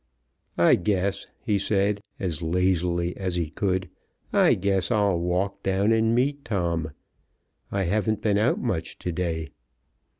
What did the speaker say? "I guess," he said as lazily as he could; "I guess I'll walk down and meet Tom. I haven't been out much to day."